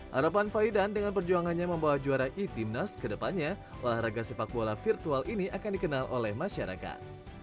harapan faidan dengan perjuangannya membawa juara e timnas kedepannya olahraga sepak bola virtual ini akan dikenal oleh masyarakat